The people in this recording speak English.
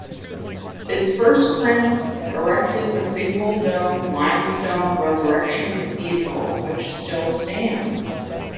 Its first prince erected the single-domed limestone Resurrection Cathedral, which still stands.